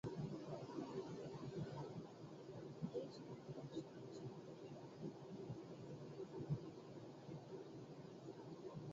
Xorijlik tadbirkorlar Toshkent xalqaro ko‘rgazmasi haqida